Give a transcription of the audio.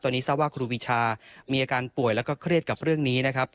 ตอนนี้ทราบว่าครูปีชามีอาการป่วยแล้วก็เครียดกับเรื่องนี้นะครับ